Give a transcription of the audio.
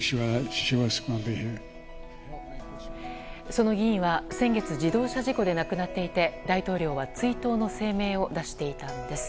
その議員は先月自動車事故で亡くなっていて大統領は追悼の声明を出していたんです。